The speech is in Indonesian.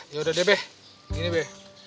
yaudah deh be gini be